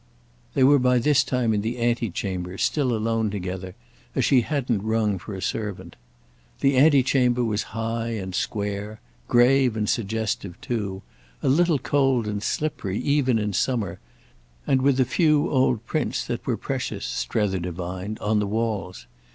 They were by this time in the antechamber, still alone together, as she hadn't rung for a servant. The antechamber was high and square, grave and suggestive too, a little cold and slippery even in summer, and with a few old prints that were precious, Strether divined, on the walls.